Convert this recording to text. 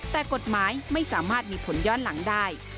แต่กฎหมายไม่สามารถมีผลย้อนหลังได้